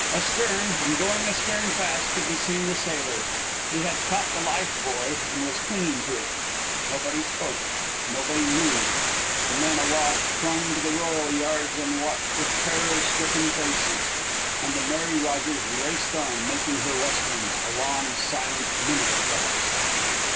Astern, and going astern fast, could be seen the sailor. He had caught the life buoy and was clinging to it. Nobody spoke. Nobody moved. The men aloft clung to the royal yards and watched with terror stricken faces. And the Mary Rogers raced on, making her westing. A long, silent minute passed.